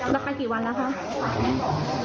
แล้วกันกี่วันเพราะคะ